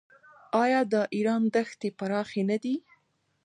آیا د ایران دښتې پراخې نه دي؟